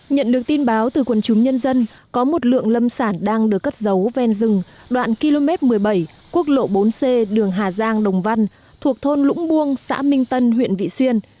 nhận được tin báo từ quần chúng nhân dân có một lượng lâm sản đang được cất giấu ven rừng đoạn km một mươi bảy quốc lộ bốn c đường hà giang đồng văn thuộc thôn lũng buông xã minh tân huyện vị xuyên